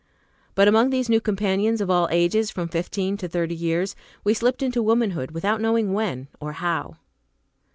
But among these new companions of all ages, from fifteen to thirty years, we slipped into womanhood without knowing when or how.